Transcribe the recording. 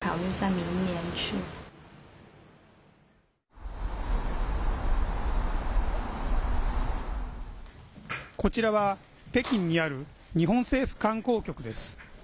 こちらは北京にある日本政府観光局です。